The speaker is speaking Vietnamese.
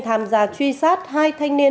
tham gia truy sát hai thanh niên